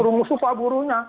rumus upah buruhnya